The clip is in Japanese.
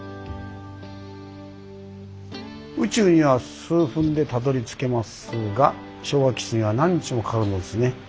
「宇宙には数分でたどり着けますが昭和基地には何日もかかるのですね。